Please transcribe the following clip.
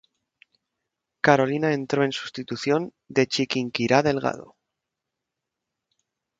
Carolina entró en sustitución de Chiquinquirá Delgado.